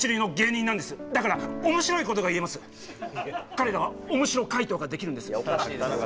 彼らはオモシロ解答ができるんですよ。